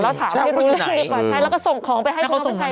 เราถามให้รู้ดีกว่าใช่แล้วก็ส่งของไปให้คุณนกประชัยด้วย